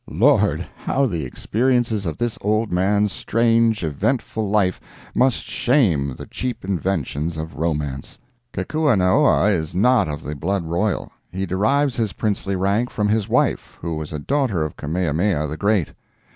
Lord! how the experiences of this old man's strange, eventful life must shame the cheap inventions of romance!" Kekuanaoa is not of the blood royal. He derives his princely rank from his wife, who was a daughter of Kamehameha the Great.